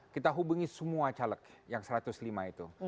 kita hubungi semua caleg yang satu ratus lima itu